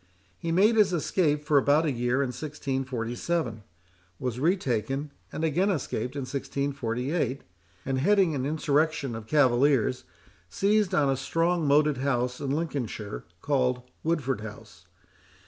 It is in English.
He made his escape for about a year in 1647; was retaken, and again escaped in 1648. and heading an insurrection of cavaliers, seized on a strong moated house in Lincolnshire, called Woodford House.